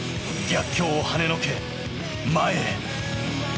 逆境を跳ね除け、前へ。